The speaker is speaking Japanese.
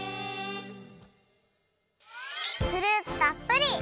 フルーツたっぷり！